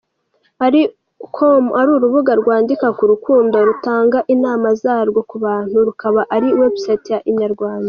com ari urubuga rwandika kurukundo, rugatanga inama zarwo kubantu rukaba ari website ya inyarwanda.